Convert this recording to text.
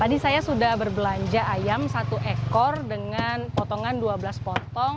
tadi saya sudah berbelanja ayam satu ekor dengan potongan dua belas potong